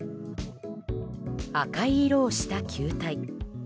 赤い色をした球体。